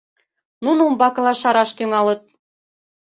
Нуно умбакыла шараш тӱҥалыт.